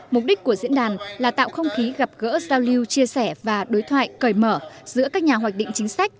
mục đích của diễn đàn là tạo không khí gặp gỡ giao lưu chia sẻ và đối thoại cởi mở giữa các nhà hoạch định chính sách